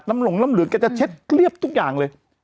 หลงน้ำเหลืองแกจะเช็ดเรียบทุกอย่างเลย